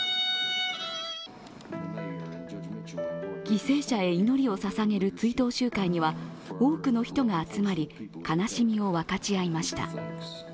犠牲者へ祈りをささげる追悼集会には多くの人が集まり、悲しみを分かち合いました。